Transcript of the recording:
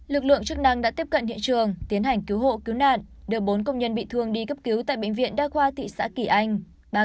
lực lượng chức năng đã tiếp cận hiện trường tiến hành cứu hộ cứu nạn đưa bốn công nhân bị thương đi cấp cứu tại bệnh viện đa khoa thị xã kỳ anh